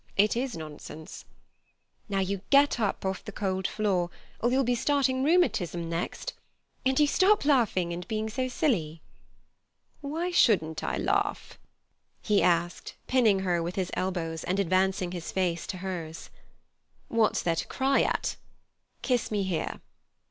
It is nonsense." "Now you get up off the cold floor, or you'll be starting rheumatism next, and you stop laughing and being so silly." "Why shouldn't I laugh?" he asked, pinning her with his elbows, and advancing his face to hers. "What's there to cry at? Kiss me here."